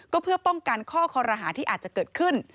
ก็เพื่อป้องกันข้อคอรหาที่อาจจะเกิดขึ้น